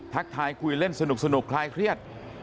ทายคุยเล่นสนุกคลายเครียด